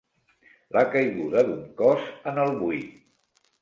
La caiguda d'un cos en el buit.